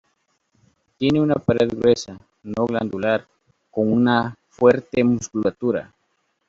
Tiene una pared gruesa, no glandular, con una fuerte musculatura.